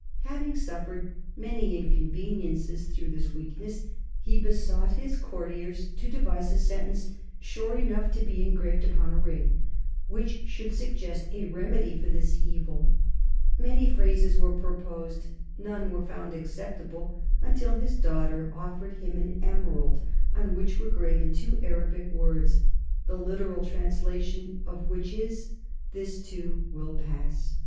Having suffered many inconveniences through this weakness, he besought his courtiers to devise a sentence, short enough to be engraved upon a ring, which should suggest a remedy for his evil. Many phrases were proposed; none were found acceptable until his daughter offered him an emerald on which were graven two Arabic words, the literal translation of which is, "This, too, will pass."